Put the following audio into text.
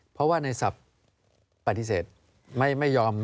เพราะว่าในศัพท์ปฏิเสธไม่ยอม